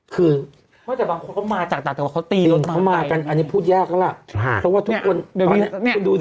คืออันที่พูดยากแล้วล่ะเพราะว่าทุกคนเดี๋ยวนี้คุณดูสิ